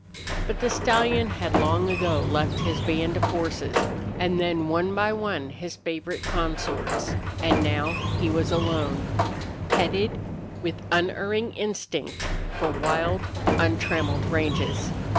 But the stallion had long ago left his band of horses, and then, one by one his favorite consorts, and now he was alone, headed with unerring instinct for wild, untrammeled ranges.